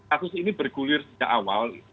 kasus ini bergulir sejak awal